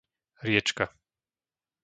Riečka